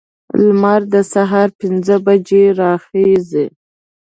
لمر د سهار پنځه بجې راخیزي.